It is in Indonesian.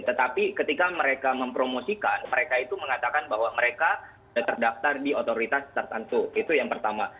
tetapi ketika mereka mempromosikan mereka itu mengatakan bahwa mereka sudah terdaftar di otoritas tertentu itu yang pertama